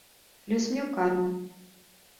Плюс мне ў карму.